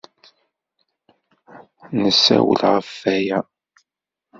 Nessawel ɣef waya.